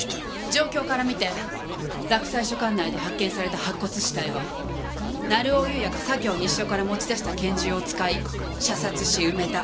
状況から見て洛西署管内で発見された白骨死体は成尾優也が左京西署から持ち出した拳銃を使い射殺し埋めた。